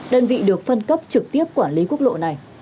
đơn vị được phân cấp trực tiếp quản lý quốc lộ này